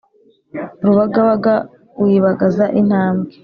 Rubagabaga uyibagaza intambwe